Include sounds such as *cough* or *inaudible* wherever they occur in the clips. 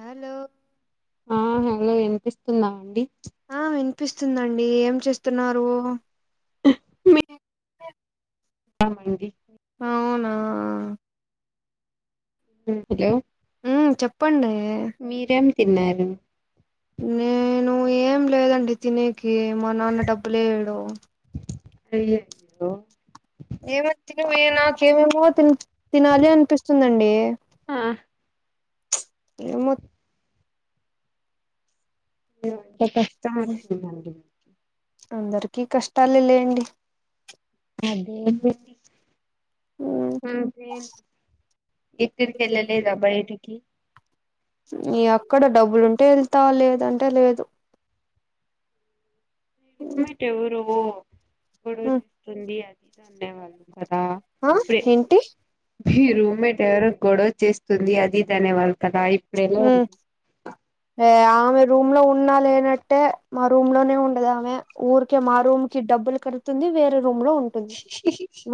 Hello ఆ hello వినిపిస్తుందా అండి ఆ వినిపిస్తుందండి ఏం చేస్తున్నారు మీ అమండి అవునా హలో ఉమ్ చెప్పండి మీరేం తిన్నారు నేను ఏం లేదండి తినేకి మా నాన్న డబ్బు లేయడు ఎళ్ళే ఒ ఏమ తినవోయిన నాకేవేవో తిన్ తినాలి అనిపిస్తుందండి ఆ ఏమో పెద్ద కష్టం వచ్చిందండి అందరికి కష్టాలే లేండి అదేమిటి మ్ ఎం ఎక్కడికి ఎళ్ళలేద బయటకి య అక్కడ డబ్బులుంటే ఎళ్తా లేదంటే లేదు రూమ్మేటేవరో గొడవ చేస్తుంది అదిది అనేవాళ్ళు కదా అ ఇప్పుడే ఏంటి మీ రూమ్మేటేవరో గొడవ చేస్తుంది అది ఇది అనేవాళ్ళు కద హ్మ్ ఏ ఆమె రూమ్లో ఉన్నా లేనట్టే మా రూమ్లోనే ఉండదు ఆమె ఊరికే మా రూమ్కి డబ్బులు కడుతుంది వేరే రూమ్లో ఉంటుంది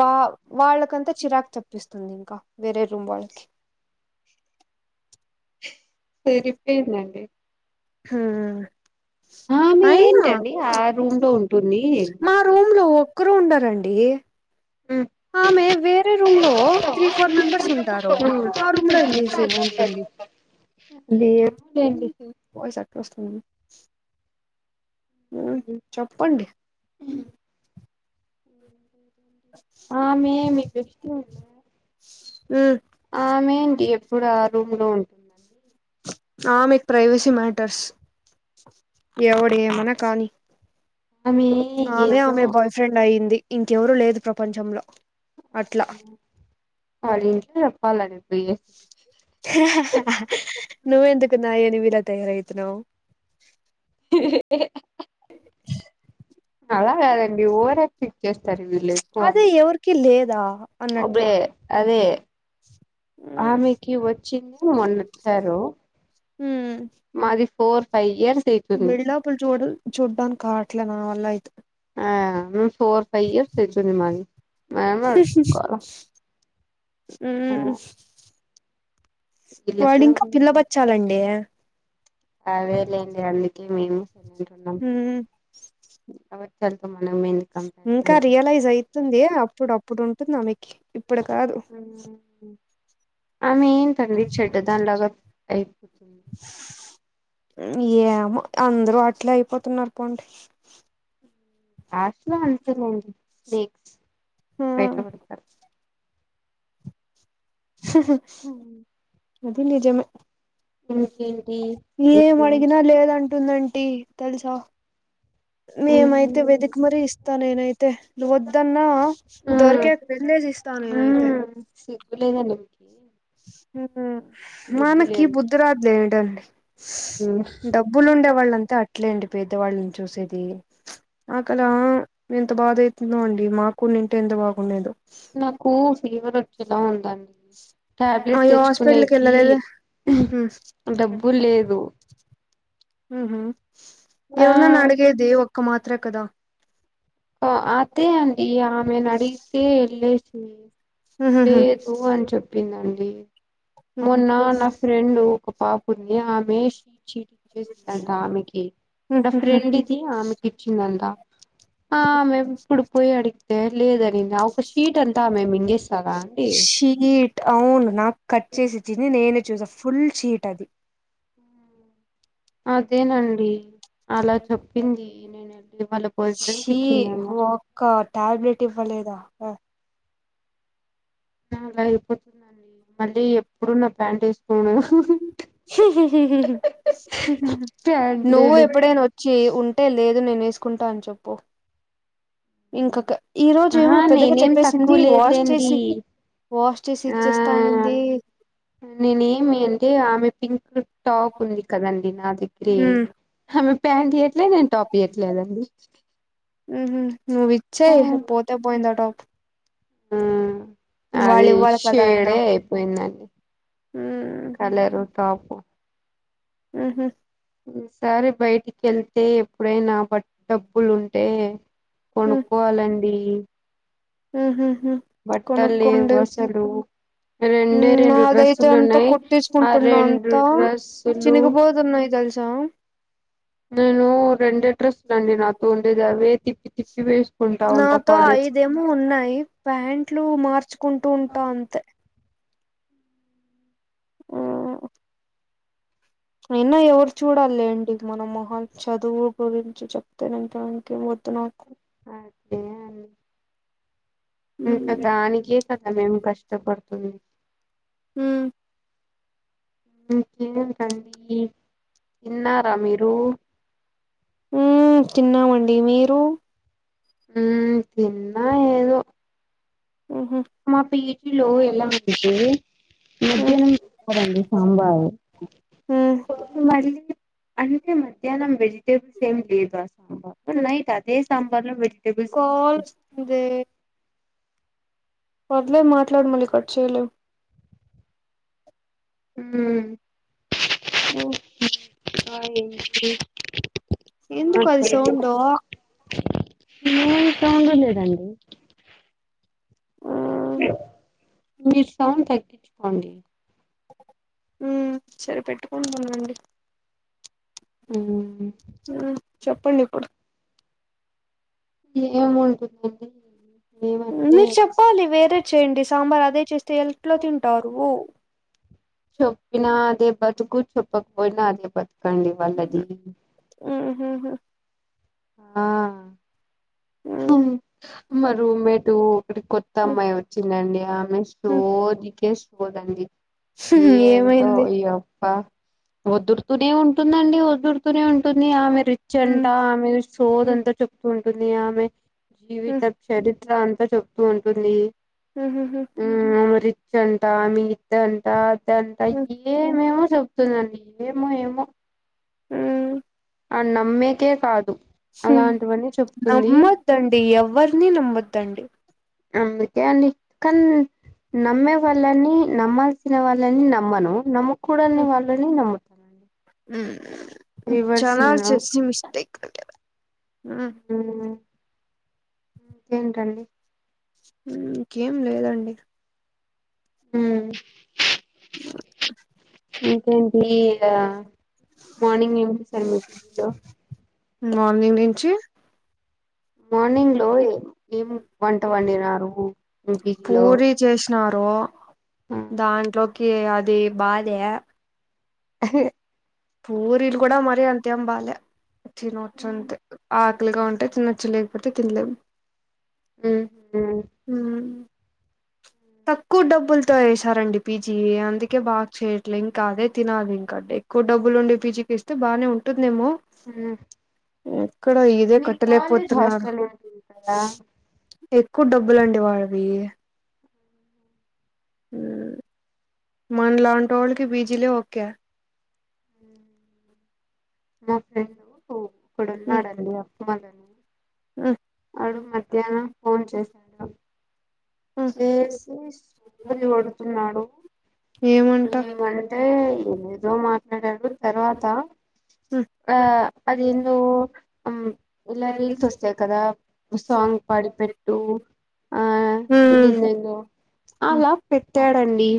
వావ్ వాళ్ళకంతా చిరాకు తెప్పిస్తుంది ఇంకా వేరే రూమ్ వాళ్ళకి సరిపోయిదండి మ్మ్ ఆమె అయిమ్మ ఏంటండి ఆ రూమ్ లో ఉంటుంది మా రూమ్లో ఒక్కరు ఉండరండి ఆమె వేరే రూమ్లో త్రీ ఫోర్ మెంబర్స్ ఉంటారు ఆ రుమ్లో ఎళ్ళేసి ఉంటుంది లేద్ లేండి వాయిస్ ఎట్లా వస్తుంది మ్ చెప్పండి మ్ ఆ మేమే బెస్టి వుంద ఉమ్ ఆమేంటి ఎప్పుడు ఆ రూమ్లో ఉన్ ఆ మీకు ప్రైవసీ మ్యాటర్స్ ఎవడేమనా కానీ ఆమె ఆమె ఏదో ఆమె బాయ్ ఫ్రెండ్ అయింది ఇంకెవరు లేదు ప్రపంచంలో అట్లా ఆలి చెప్పాలని పి నువ్వ ఎందుకు నా ఎనిమిలా తయారైతున్నవ్ అలా కాదండి ఓవర్ యాక్టింగ్ చేస్తారు వీళ్ళు ఎక్కువ అని కిలేదా అబే అదే ఉమ్ ఆమెకి వచ్చింది మొన్నచ్చారు హ్మ్ మాది ఫోర్ ఫైవ్ ఇయర్స్ది బిల్డప్పులు చూడ చూడ్డానికి కాట్లే నావల్ల ఆయితు హా ఫోర్ ఫైవ్ ఇయర్స్ తెచ్చింది మాది మేమే ఆడుకోవాలా అ వీళ్ళకే వాడింక ఉంది పిల్ల బచ్చాలండి అదే లేండి అందుకే మేము సైలెంటున్నాం ఉమ్ తర్వాత మనమే ఇంకా రియలైజ్ అయితుంది అప్పుడు అప్పుడు ఉంటుంది ఆమెకి ఇప్పుడు కాదు ఆమె ఏంటండీ చెడ్డదానిలాగా అయిపోతుంది ఏమో అందరూ అట్లే అయిపోతున్నారు పోండి హాస్టల్లో అంతేలెండి స్నేక్స్ బయట ఉమ్, పడతారు అది నిజమే ఇంకేంటి ఏం ఎగ్జామ్స్ అడిగినా లేదంటుందంటీ తెలుసా మేమైతే వెదకి మర ఇస్తా నేనైతే ను వద్దన్నా దొరకక వెళ్ళేసి ఇస్తాను నెనైతే సిగ్గు లేదండి మీకు బుద్ధి మనకి లేదు బుద్ధిరాదులే ఏంటండి డబ్బులు ఉండేవాళ్ళంతా అట్లేండి పెద్దవాళ్ళని చూసేది ఆకలా ఎంత బాధ అవుతుందో అండి మాకు నింటే ఎంత బాగుండేదు నాకు ఫీవర్ వచ్చేలా ఉందండి టాబ్లెట్ అయ్యో హాస్పిటల్కి తెచ్చుకునేకి వెళ్ళలేదే డబ్బు లేదు హ హ ఎవన నా ఆ అడిగేది ఒక్క మాత్రే కదా ఆ ఓకే అండి ఈ నేను అడిగితే వెళ్ళేసింది ఉహుహు లేదు అని చెప్పిందండి ఉహు మొన్న నా ఫ్రెండ్ ఒక పాప ఉంది ఆమె చీ ఇచ్చేసిందటా ఆమెకి నా ఉహుహు ఫ్రెండ్కి ఆమెకి ఇచ్చింది అంటా ఆ ఆమె ఇప్పుడు పోయి అడిగితే లేదనింది ఒక షీట్ అంతా మేము మింగేస్తాదా అండి షీట్ అవును నాకు కట్ చేసి ఇచ్చింది నేనే చూసాను ఫుల్ షీట్ అది అదేనండి అలా చెప్పింది నేను వెళ్ళి వాళ్ళ పర్సనల్ కి ఇచ్చిందేమో ఒక టాబ్లెట్ ఇవ్వలేదా నా అలా అయిపోతుందండి మళ్ళీ ఎప్పుడు నా బ్యాండేజ్ ప్యాంట్ నువ్వు లేనిది ఎప్పుడైనా చే ఉంటే లేదు నేను వేసుకుంటా అని చెప్పు ఇంకొక ఈ రోజు ఆహా ఏమో పెద్దగా నేనేం తక్కువ చెప్పేసింది వాష్ లేదులేండి చేసి వాష్ చేసి ఆ ఇచ్చేస్తానంది నేనేమి అంటే ఆమె పింక్ టాప్ ఉంది కదండి నా దగ్గరే ఉమ్ అమె ప్యాంట్ ఇవట్లే నేను టాప్ ఇవ్వట్లేదండి హ నువ్ ఇచ్చేయి పోతే పోయింది ఆ టాప్ ఆ అది వాళ్ళు ఇవ్వాలి కదా అయినా షేడే అయిపోయిందండి ఉమ్ కలరు టాప్ ఆహ ఈ సారి బయటికి వెళ్తే ఎప్పుడైనా బట్ డబ్బులు ఉంటే కొనుక్కోవాలండి ఉ హు హు బట్టల్లేవు అసలు రెండే రెండు నాదైతే డ్రెస్సులు అంతా ఉన్నాయి ఆ కుట్టించుకుంటున్నా రెండు అంతా డ్రస్సులు చినిగిపోతున్నాయి తెలుసా నేను రెండు ఎడ్రెస్సులండి నాకు ఉండేవి అవే తిప్పి తిప్పి వేసుకుంటా ఉంటా నాతో కాలేజ్ కి అఐదేమో ఉన్నాయి ప్యాంట్లు మార్చుకుంటూ ఉంటా అంతే ఆ అయినా ఎవరు చూడలేండి మన మోకాలు చదువు గురించి చెప్తేను ఇంకా ఇంకే వద్దు నాకు అదే ఇంకా దానికే కదా మేము కష్టపడుతుంది ఉమ్ ఇంకెంటండి తిన్నారా మీరు ఉమ్ తిన్నామండి మీరు ఉమ్ తిన్న ఏదో ఊహు మా పీజీ లో ఎలా అంటే మధ్యహనం పెడ్తారు అండి సాంబారు కొంచెం అడిగితే అంటే మధ్యాహ్నం వెజిటేబుల్స్ ఏమి వేయకుండా సాంబార్ నైట్ అదే సాంబార్ లో వెజిట కాల్ వస్తుంది పర్లేదు మాట్లాడు మళ్లీ కట్ చేయలేము ఆ ఇంకేంటి సౌండ్ ఎందుకు అది వస్తుంది సౌండ్ ఏం సౌండ్ లేదండి ఉ మీరు సౌండ్ తగించు కొండి ఉ సరే పెట్టుకుంటున్నానండి ఉహు ఉ చెప్పండి ఇప్పుడు ఏంముటుందండి మీరు చెప్పాలి వేరే చేయండి సాంబార్ అదే చేస్తే ఎట్ల తింటారు చొప్పినా అదే బతుకు చెప్పకపోయినా అదే బతుకండి వాళ్ళది ఉ హు హు ఆ మ్ ఉమ్ మా రూమ్మేట్ ఒక కొత్త అమ్మాయి వచ్చిందండి ఆమె సోదికే పోదండి ఏ మ్ అంటో ఏమైంది ఇ అప్ప వద్దులుతూనే ఉంటుందండి వద్దులుతూనే ఉంటుంది ఆమె రిచ్ అంట మ్ ఆమె సోదంతా చెప్తూ ఉంటుంది ఆమె మ్ జీవిత చరిత్ర అంతా చెప్తూ ఉంటుంది ఉ హు హు ఆమె రిచ్ అంట ఆమె ఇదంతా ఆమె అదంతా ఇదే ఏమేమో చెప్తూ చెప్తుందండి ఏమో ఏమో ఉమ్ ఆ నమ్మేకే కాదు అలాంటివన్నీ చెప్తుంది నమ్మొద్దండి ఎవ్వరిని నమ్మొద్దండి అందుకే అండి కన్ నమ్మే వాళ్ళని నమ్మాల్సిన వాళ్ళని నమ్మను నమ్ము కూడాని వాళ్ళని నమ్మ ఊ రివర్స్ చనా నేను చెస్ట్ మిస్టేక్ అంటే మ్మ్ ఊ ఇంకెంటండి ఊ ఇంకేం లేదండి ఊ బ *inaudible* ఇంకేంటిగా మార్నింగ్ ఏం చేసారు మీ పిజీలో మార్నింగ్ నించి మార్నింగ్ లో ఏం వంట వండినారు మీ పీజీ లో పూరి చేసినారు దాంట్లోకి అది బాధే పూరిలు కూడా మరీ అంతేం బాలే తినొచ్చు అంతే ఆకలిగా ఉంటే తినొచ్చు లేకపోతే తిన్ లేం హ్మ్ ఊ తక్కువ్ డబ్బుల్ తో వేసారండి పీజీ అందుకే బా చేయట్లే ఇంకా అదే తినాలి ఇంక అడే క్కువ్ డబ్బులుండి పీజీకిస్తే బానే ఉంటుందేమో మ్మ్ ఎక్కడ ఇదే మీ కాలేజ్ కట్టలేపోతున్నారు హాస్టల్ ఉంటుంది కదా ఎక్కువ డబ్బులండి వాడివి ఊ మన్ లాంటోళ్ళకి బీజీలే ఓకే మా ఫ్రెం కు ఇక్కడున్నాడడి అప్ప మళ ఆ ఆడు మధ్యాహ్నం ఫోన్ చేశాడు ఉమ్. చేసి సోది కొడుతున్నాడు ఏమంట మేమంటే ఏదో మాట్లాడారు తర్వాత ఆ అదేందో ఆమ్ ఇలా రీల్స్ వస్తాయి కదా సాంగ్ పాడి పెట్టు ఆ *inaudible* అలా పెట్టాడండి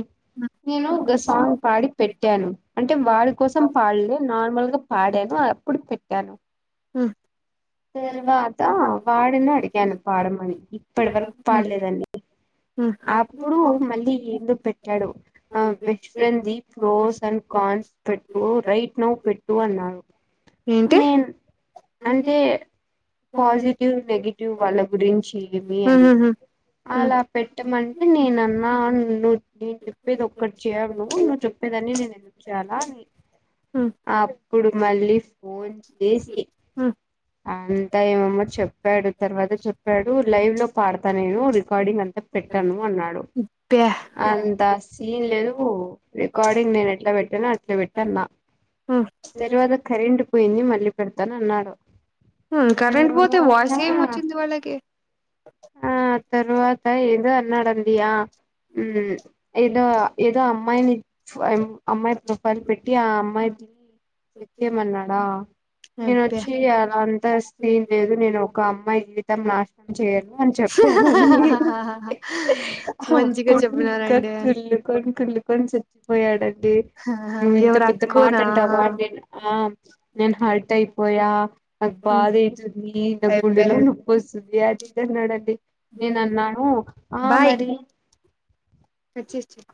నేను ఒక సాంగ్ పాడి పెట్టాను అంటే వాడి కోసం పాడ్ లే నార్మల్ గా పాడాను ఆ ఇప్పుడు పెట్టాను ఉ తర్వాత వాడిని అడిగాను పాడమని ఇప్పటి వరకు పాడలేదండి అప్పుడు మళ్ళీ ఏందో పెట్టాడు ఆ బెస్ట్ ఫ్రెండ్ దీప్స్ క్లోస్ అండ్ కన్స్ పెట్టు రైట్ నౌ పెట్టు అన్నా నో ఏంటి అదె పాజిటివ్ నెగిటివ్ వాళ్ళ గురించి ఏవి అవి అబ్బా అలా పెట్టమంటే నేనన్నా ను్వు నేను చెప్పేది ఒక్కటి చెయవు నువ్వు చెప్ ప్పేదన్ని నేనెందుకు చేయల అని అప్పుడు మళ్ళీ ఫోన్ చేసి అంతా ఏమమ్మ చెప్పాడు తర్వాత చెప్పాడు లైవ్ లో పాడతా నేను రికార్డింగ్ అంతా పెట్టను అన్నాడు అంత సీన్ లేదు రికార్డింగ్ నేనెట్లా పెట్టానో అట్లా పెట్టు అనన్నా తరువాత కరెంటి పోయింది మళ్ళీ పెడతాను అన్నాడు కరెంట్ పోతే వాయిస్ ఏం తర్వాత వచ్చింది వాళ్ళకి ఆ తరువాత ఏదో అన్నాడండి ఆ హ్మ్ ఏదో ఏదో అమ్మాయిని అమ్మాయి ప్రొఫైల్ పెట్టి ఆ అమ్మాయి పెట్టిమన్నాడా తిను అబ్బా వచ్చి అంతా సీన్ లేదు నేను ఒక అమ్మాయిని నాశనం చేయకు అని చెప్పానండి మంచిగా అప్పుడు ఇంకా చెప్పినారండి కుళ్ళి కళ్లుకొని కుళ్ళకొని చచ్చిపోయాడండి నువ్వు ఇంత ఎవరు పెద్ద మాట అక్కునా అంటావా నేను ఆ నేను హర్ట్ అయిపోయా బాదైతుంది నాకు గుండెలో అయిపోయి నొప్పొస్తుంది అది ఇదిన్నాడండి నేను అన్నాను ఆ మరి అచ్చే అచ్చ